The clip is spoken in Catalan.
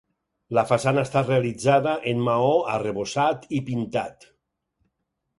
La façana està realitzada en maó arrebossat i pintat.